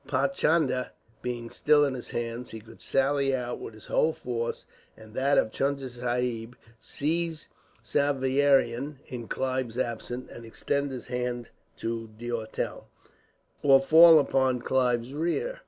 Paichandah being still in his hands, he could sally out with his whole force and that of Chunda Sahib, seize Samieaveram in Clive's absence, and extend his hand to D'Auteuil, or fall upon Clive's rear.